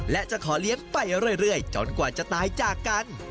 และจะขอเลี้ยงไปเรื่อยจนกว่าจะตายจากกัน